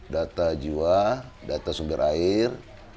data jiwa data sumber air